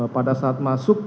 pada saat masuk